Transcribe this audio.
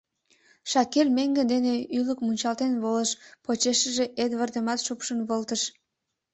Шакир меҥге дене ӱлык мунчалтен волыш, почешыже Эдвардымат шупшын волтыш.